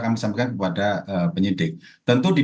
kami sampaikan kepada penyidik tentu di